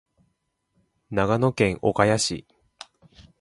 長野県岡谷市